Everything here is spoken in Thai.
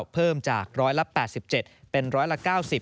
เพิ่มจากร้อยละ๘๗เป็นร้อยละ๙๐